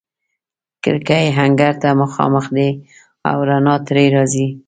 کړکۍ انګړ ته مخامخ دي او رڼا ترې راځي.